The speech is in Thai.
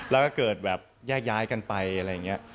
แล้วก็เกิดแบบแยกย้ายกันไปอะไรอย่างนี้